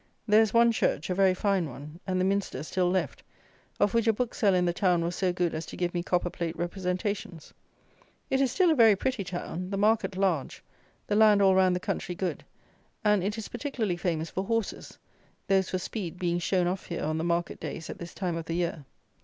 There is one church, a very fine one, and the minster still left; of which a bookseller in the town was so good as to give me copper plate representations. It is still a very pretty town; the market large; the land all round the country good; and it is particularly famous for horses; those for speed being shown off here on the market days at this time of the year.